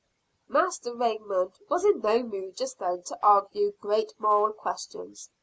Master Raymond was in no mood just then to argue great moral questions.